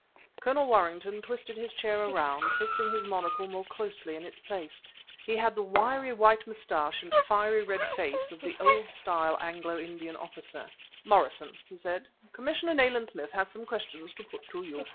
Colonel Warrington twisted his chair around, fixing his monocle more closely in its place. He had the wiry white mustache and fiery red face of the old style Anglo Indian officer. "Morrison," he said, "Mr. Commissioner Nayland Smith has some questions to put to you."